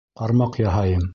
Ҡармаҡ яһайым.